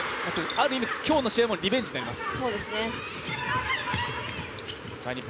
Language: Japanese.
ある意味、今日の試合もリベンジになります。